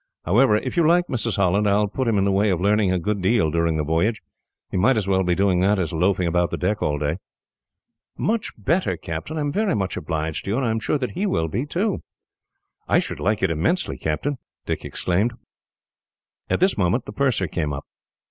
However, if you like, Mrs. Holland, I will put him in the way of learning a good deal, during the voyage. He might as well be doing that as loafing about the deck all day." "Much better, Captain. I am very much obliged to you, and I am sure that he will be, too." "I should like it immensely, Captain," Dick exclaimed. At this moment, the purser came up.